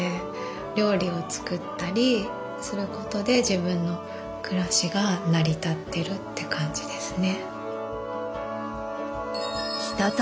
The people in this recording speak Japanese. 料理を作ったりすることで自分の暮らしが成り立ってるって感じですね。